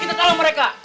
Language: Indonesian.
kita tolong mereka